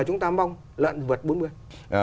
chúng ta mong lợn vượt bốn mươi